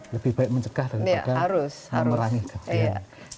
lebih baik mencegah daripada harus harus